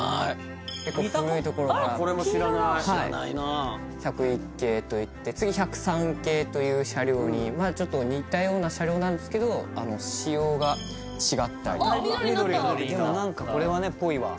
結構古いところからこれも知らない１０１系といって次１０３系という車両にまあちょっと似たような車両なんですけど仕様が違ったりとかあ緑になったこれはねぽいわ